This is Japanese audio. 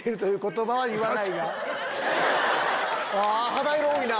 肌色多いな。